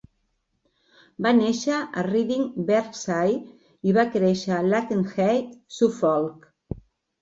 Va néixer a Reading, Berkshire i va créixer a Lakenheath, Suffolk.